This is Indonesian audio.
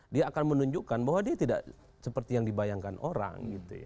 dia akan menunjukkan bahwa dia tidak seperti yang dibayangkan orang